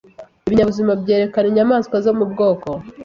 ibinyabuzima byerekana inyamaswa zo mu bwoko